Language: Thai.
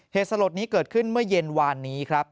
สลดนี้เกิดขึ้นเมื่อเย็นวานนี้ครับ